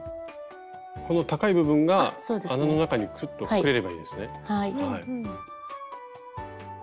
この高い部分が穴の中にクッと隠れればいいんですね。